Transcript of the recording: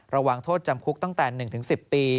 ระวังโทษจำคุกตั้งแต่๑๑๐ปี